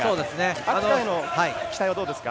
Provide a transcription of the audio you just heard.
秋田への期待はどうですか？